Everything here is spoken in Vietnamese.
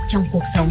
trong cuộc sống